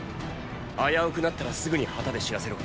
危うくなったらすぐに旗で知らせろ。